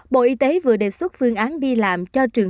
bộ y tế vừa đề xuất phương án đi làm cho trường